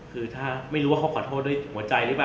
คือถ้าไม่รู้ว่าเขาขอโทษด้วยหัวใจหรือเปล่า